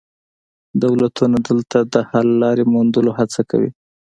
دولتونه دلته د حل لارې موندلو هڅه کوي